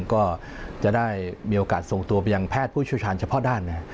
ก็จะได้มีโอกาสส่งตัวไปยังแพทย์ผู้เชี่ยวชาญเฉพาะด้าน